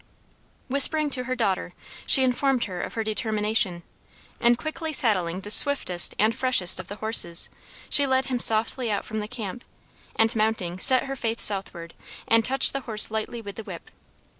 Whispering to her daughter, she informed her of her determination, and quickly saddling the swiftest and freshest of the horses, she led him softly out from the camp, and, mounting, set her face southward, and touched the horse lightly with the whip.